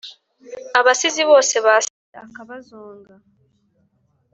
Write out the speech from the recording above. Abasizi bose basize akabazonga,